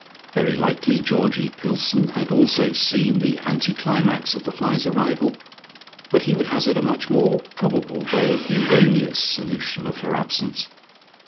Very likely Georgie Pillson had also seen the anticlimax of the fly's arrival, but he would hazard a much more probable though erroneous solution of her absence.